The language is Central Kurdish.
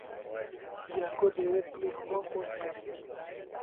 دیاکۆ دەیەوێت دڵی هەمووان خۆش بکات.